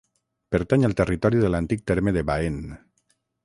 Pertany al territori de l'antic terme de Baén.